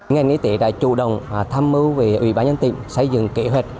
ngành y tế đã chủ động tham mưu về ủy ban nhân tỉnh xây dựng kế hoạch